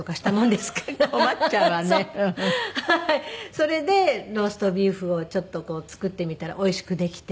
それでローストビーフをちょっと作ってみたらおいしくできて。